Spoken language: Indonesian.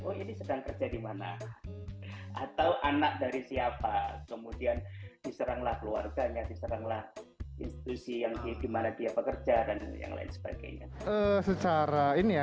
kemudian diseranglah keluarganya diseranglah institusi yang di mana dia bekerja dan yang lain sebagainya